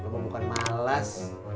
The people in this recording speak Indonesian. lu bukan males